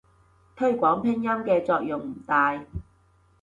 推廣拼音嘅作用唔大